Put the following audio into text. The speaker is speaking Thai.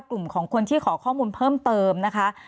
กลุ่มของคนที่ขอข้อมูลเพิ่มเติมนะคะ